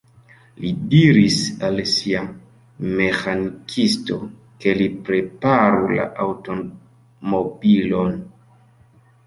Li diris al sia meĥanikisto, ke li preparu la aŭtomobilon.